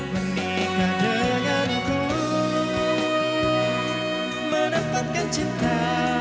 menikah denganku menetapkan cinta